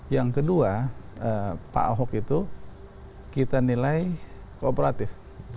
yang kedua pak ahok itu kita nilai kooperatif